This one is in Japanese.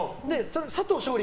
佐藤勝利